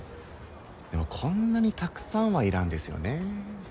でもこんなにたくさんはいらんですよね。